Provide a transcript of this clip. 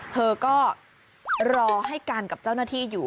เธอก็รอให้การกับเจ้าหน้าที่อยู่